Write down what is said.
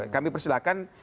kami persilahkan pengadu